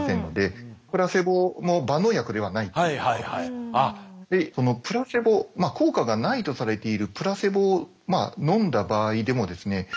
ただそのプラセボ効果がないとされているプラセボを飲んだ場合でもですね